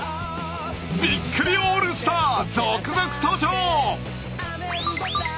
びっくりオールスターゾクゾク登場！